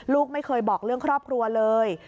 ลูกไม่เคยบอกเรื่องครอบครัวเลย